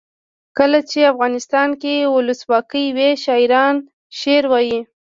کله چې افغانستان کې ولسواکي وي شاعران شعر وايي.